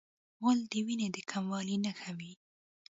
غول د وینې د کموالي نښه وي.